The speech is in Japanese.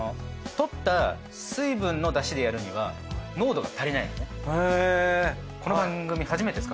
とった水分のだしでやるには濃度が足りないのね。